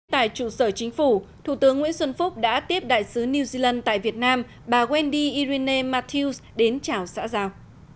tại trụ sở chính phủ thủ tướng nguyễn xuân phúc đã tiếp đại sứ new zealand tại việt nam bà wendy irina matthews đến chào xã giao